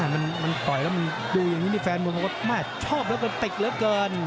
มันต่อยแล้วมันดูอย่างนี้นี่แฟนมวยบอกว่าแม่ชอบแล้วมันติดเหลือเกิน